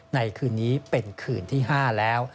ในคืนนี้เป็นคืนที่๕แล้ว